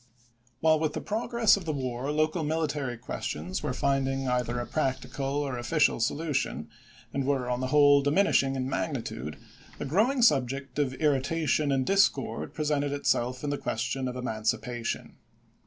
While with the progress of the war local military questions were finding either a practical or official solution, and were, on the whole, diminishing in magnitude, a growing subject of irritation and dis cord presented itself in the question of emancipa tion.